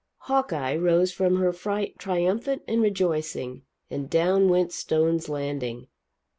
Hawkeye rose from her fright triumphant and rejoicing, and down went Stone's Landing!